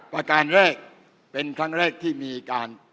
ประการแรกเป็นครั้งแรกที่มีการ